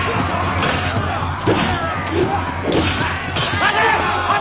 待て！